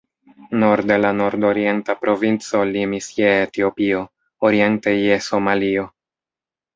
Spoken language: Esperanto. Norde la nordorienta provinco limis je Etiopio, oriente je Somalio.